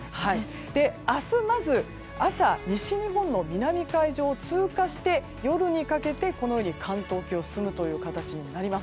明日まず朝、西日本の南海上を通過して夜にかけて関東沖を進む形になります。